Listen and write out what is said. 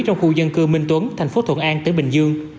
trong khu dân cư minh tuấn thành phố thuận an tỉnh bình dương